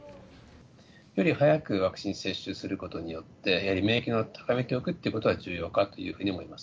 より早くワクチン接種することによって、やはり免疫を高めておくっていうことは、重要かというふうに思います。